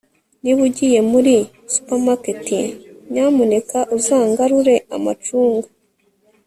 Niba ugiye muri supermarket nyamuneka uzangarure amacunga